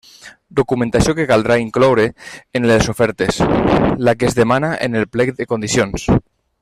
Documentació que caldrà incloure en les ofertes: la que es demana en el plec de condicions.